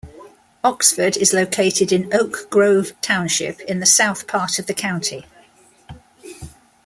Oxford is located in Oak Grove Township in the south part of the county.